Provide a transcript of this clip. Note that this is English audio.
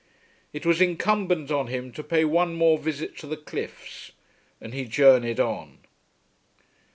It was incumbent on him to pay one more visit to the cliffs and he journeyed on.